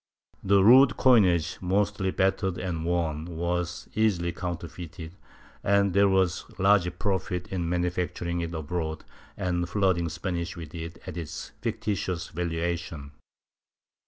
The rude coinage, mostly battered and worn, was easily counterfeited, and there w^as large profit in manufacturing it abroad and flooding Spain with it at its fictitious valuation.